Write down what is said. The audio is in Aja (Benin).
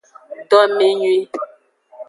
Domenyuie.